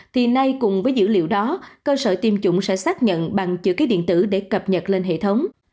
thì nay cùng với dữ liệu đó cơ sở tiêm chủng sẽ xác nhận bằng chữ ký điện tử để cập nhật lên hệ thống